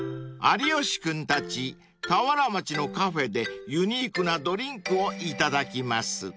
［有吉君たち田原町のカフェでユニークなドリンクを頂きます］